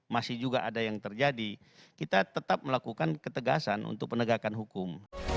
masih juga ada yang terjadi kita tetap melakukan ketegasan untuk penegakan hukum